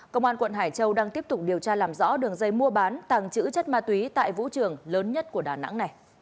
công an quận hải châu đang tiếp tục điều tra làm rõ đường dây mua bán tàng trữ chất ma túy tại vũ trường lớn nhất của đà nẵng này